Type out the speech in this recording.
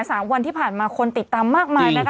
สามวันที่ผ่านมาคนติดตามมากมายนะคะ